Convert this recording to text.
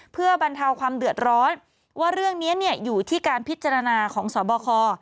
เพื่อบรรเทาความเดือดร้อนว่าเรื่องนี้อยู่ที่การพิจารณาของสบค